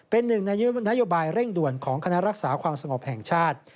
เป็นหนึ่งในยื่นนโยบายเร่งด่วนของคณะรักษาความสงบแห่งชาติ